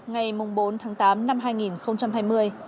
ngày bốn tháng tám năm hai nghìn hai mươi